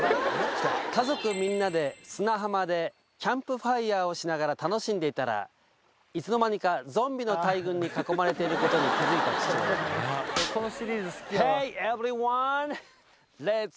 家族みんなで砂浜でキャンプファイヤーをしながら楽しんでいたらいつの間にかゾンビの大群に囲まれていることに気づいた父親Ｈｅｙｅｖｅｒｙｏｎｅ，ｌｅｔ